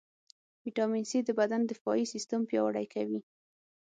ويټامين C د بدن دفاعي سیستم پیاوړئ کوي.